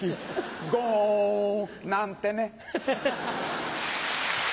ゴン！なんてね。